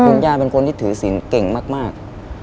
คุณย่าเป็นคนที่ถือศิลป์เก่งมาก